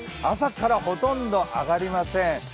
朝からほとんど上がりません。